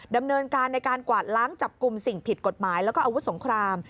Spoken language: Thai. ดำเนินการในการกวาดล้างจับกลุ่มสิ่งผิดกฎหมายแล้วก็อาวุธสงคราม